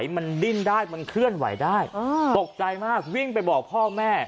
มันดิ้นได้มันเคลื่อนไหวได้ตกใจมากวิ่งไปบอกพ่อแม่